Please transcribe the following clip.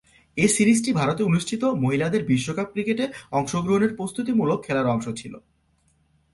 এ সিরিজটি ভারতে অনুষ্ঠিত মহিলাদের বিশ্বকাপ ক্রিকেটে অংশগ্রহণের প্রস্তুতিমূলক খেলার অংশ ছিল।